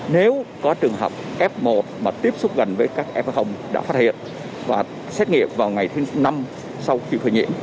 nếu có trường hợp f một mà tiếp xúc gần với các f đã phát hiện và xét nghiệm vào ngày thứ năm sau khi khởi nghiệp